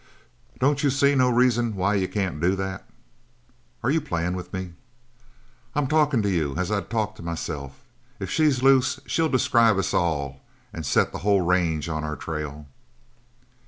"Don't you see no reason why you can't do that?" "Are you playing with me?" "I'm talkin' to you as I'd talk to myself. If she's loose she'll describe us all an' set the whole range on our trail."